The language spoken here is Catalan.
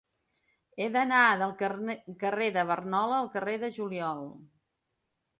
He d'anar del carrer de Barnola al carrer del Juliol.